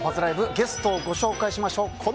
ゲストをご紹介しましょう。